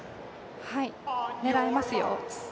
はい、狙えますよ。